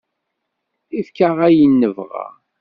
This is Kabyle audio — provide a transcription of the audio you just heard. Efk-aɣ ayen nebɣa.